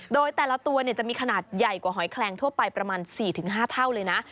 โดยแต่ละตัวจะมีขนาดใหญ่กว่าหอยแคลงทั่วไปประมาณ๔๕เท่าเลยนะ